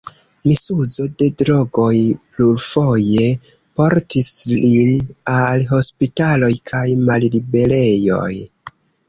Misuzo de drogoj plurfoje portis lin al hospitaloj kaj malliberejoj.